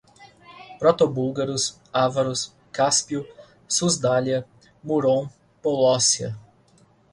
Protobúlgaros, ávaros, Cáspio, Susdália, Murom, Polócia